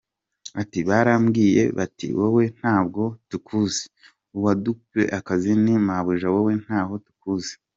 Ati “Barambwiye bati wowe ntabwo tukuzi, uwaduye akazi ni mabuja wowe ntaho tukuzi.